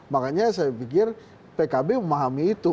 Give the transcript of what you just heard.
makanya saya pikir pkb memahami itu